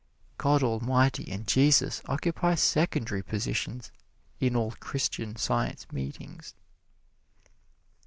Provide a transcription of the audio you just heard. God Almighty and Jesus occupy secondary positions in all Christian Science meetings.